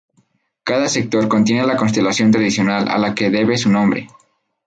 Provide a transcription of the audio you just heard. Cada sector contiene la constelación tradicional a la que debe su nombre.